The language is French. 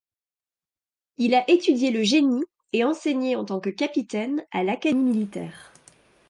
Il a étudié le génie et enseigné en tant que capitaine à l'Académie militaire.